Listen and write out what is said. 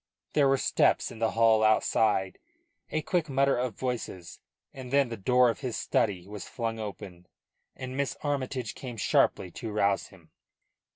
There were steps in the hall outside, a quick mutter of voices, and then the door of his study was flung open, and Miss Armytage came sharply to rouse him.